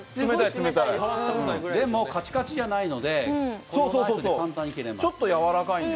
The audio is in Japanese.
カチカチじゃないので、ナイフで簡単に切れます。